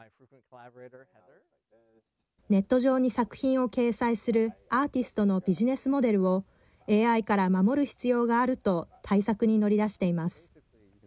ネット上に作品を掲載するアーティストのビジネスモデルをＡＩから守る必要があると対策に乗り出しています。